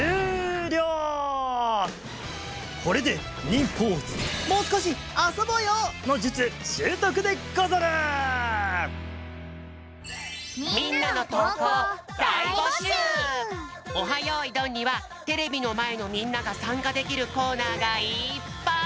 これで「オハ！よいどん」にはテレビのまえのみんながさんかできるコーナーがいっぱい！